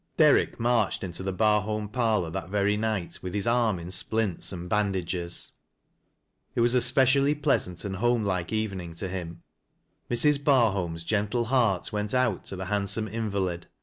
Derrick marched into the Barholm parlor that verj nijjht with his arm in splints and bandages. TOE NEWS AT THE BEOTORT. 81 II was a specially pleasant and homelike evening to him ; Mrs. Barholm's gentle heart went out to the hand some invalid.